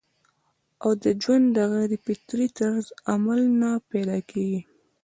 او د ژوند د غېر فطري طرز عمل نه پېدا کيږي